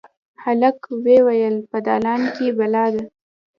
هلک ویې ویل: «په دالان کې بلا ده.»